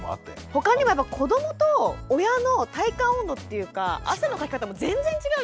他にも子どもと親の体感温度っていうか汗のかき方も全然違うじゃないですか。